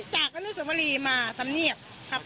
จากอนุสวรีมาสำเนียบ